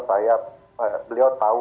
saya beliau tahu